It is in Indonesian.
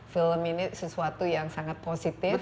film ini sesuatu yang sangat positif